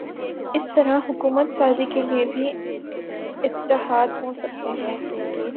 اسی طرح حکومت سازی کے لیے بھی اتحاد ہو سکتے ہیں۔